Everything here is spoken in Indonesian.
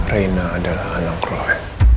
reina adalah anak roy